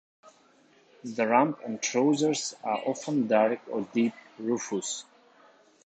The rump and "trousers" are often dark or deep rufous.